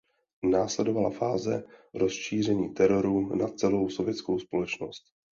Následovala fáze rozšíření teroru na celou sovětskou společnost.